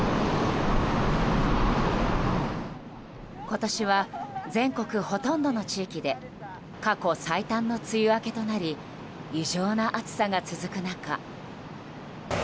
今年は全国ほとんどの地域で過去最短の梅雨明けとなり異常な暑さが続く中。